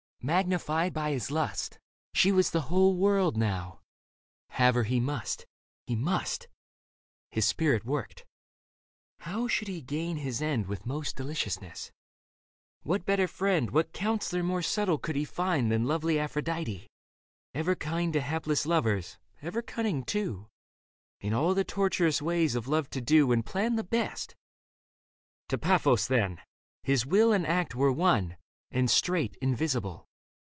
Magnified by his lust. She was the whole world now ; have her he must, he must ... His spirit worked ; how should he gain his end With most deliciousness ? What better friend, What counsellor more subtle could he find Than lovely Aphrodite, ever kind To hapless lovers, ever cunning, too, In all the tortuous ways of love to do And plan the best ? To Paphos then ! His will And act were one ; and straight, invisible.